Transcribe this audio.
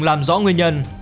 làm rõ nguyên nhân